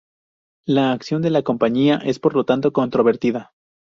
La acción de la Compañía es, por lo tanto, controvertida.